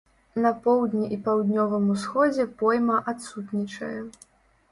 На поўдні і паўднёвым усходзе пойма адсутнічае.